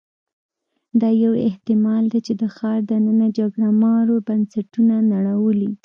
دا یو احتمال دی چې د ښار دننه جګړه مارو بنسټونه نړولي